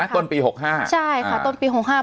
ตอนปี๖๕ต้นปี๖๕ใช่ค่ะ